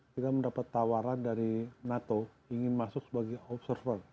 kita mendapat tawaran dari nato ingin masuk sebagai observer